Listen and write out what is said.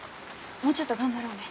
もうちょっと頑張ろうね。